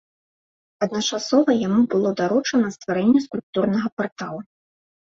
Адначасова яму было даручана стварэнне скульптурнага партала.